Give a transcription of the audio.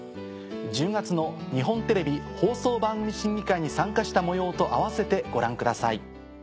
１０月の「日本テレビ放送番組審議会」に参加した模様と併せてご覧ください。